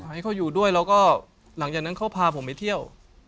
ให้เขาอยู่ด้วยแล้วก็หลังจากนั้นเขาพาผมไปเที่ยว